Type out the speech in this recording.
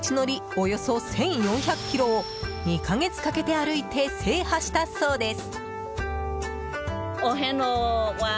およそ１４００ｋｍを２か月かけて歩いて制覇したそうです。